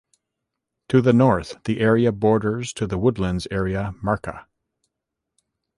To the north, the area borders to the woodlands area Marka.